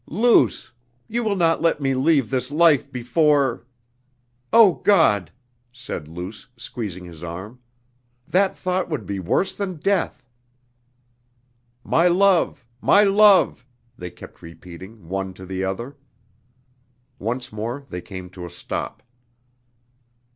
"Luce! you will not let me leave this life before ...?" "Oh, God," said Luce, squeezing his arm, "that thought would be worse than death!" "My love, my love!" they kept repeating, one to the other. Once more they came to a stop.